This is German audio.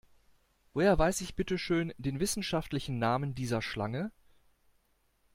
Woher weiß ich bitteschön den wissenschaftlichen Namen dieser Schlange?